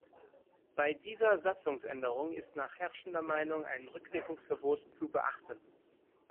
Bei dieser Satzungsänderung ist nach herrschender Meinung ein Rückwirkungsverbot zu beachten.